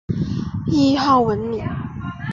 谥号文敏。